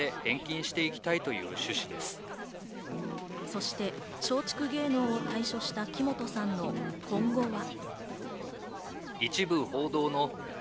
そして松竹芸能を退所した木本さんの今後は。